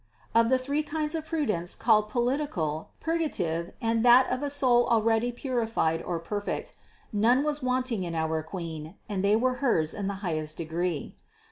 535. Of the three kinds of prudence called political, purgative and that of a soul already purified or perfect, none was wanting in our Queen and they were hers in the highest degree.